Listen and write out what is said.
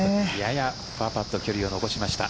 ややパーパット距離を残しました。